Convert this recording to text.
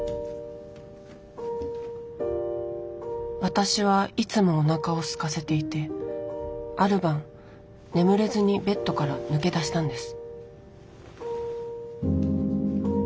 私はいつもおなかをすかせていてある晩眠れずにベッドから抜け出したんです。